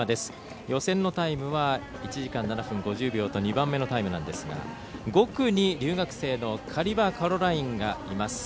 予選のタイムは１時間７分５０秒と２番目のタイムなんですが５区に留学生のカリバ・カロラインがいます。